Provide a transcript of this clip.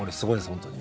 本当に。